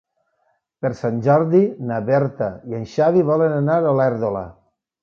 Per Sant Jordi na Berta i en Xavi volen anar a Olèrdola.